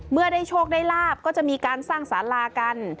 เมื่อได้โชคได้ลาบก็จะมีการสร้างสารากัน